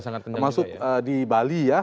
maksud di bali ya